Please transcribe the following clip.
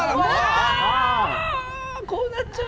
こうなっちゃう。